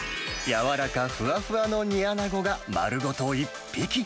やわらかふわふわの煮アナゴが丸ごと１匹。